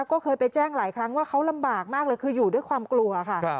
ก็เคยไปแจ้งหลายครั้งว่าเขาลำบากมากเลยคืออยู่ด้วยความกลัวค่ะ